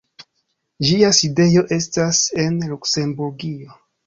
Ĝia sidejo estas en Luksemburgio.